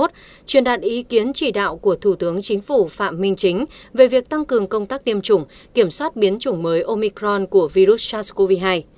truyền đạt ý kiến chỉ đạo của thủ tướng chính phủ phạm minh chính về việc tăng cường công tác tiêm chủng kiểm soát biến chủng mới omicron của virus sars cov hai